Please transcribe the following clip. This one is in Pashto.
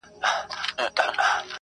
• ما په لفظو کي بند پر بند ونغاړه.